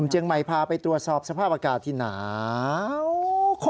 เชียงใหม่พาไปตรวจสอบสภาพอากาศที่หนาว